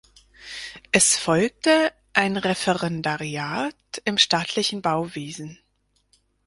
Es folgte ein Referendariat im staatlichen Bauwesen.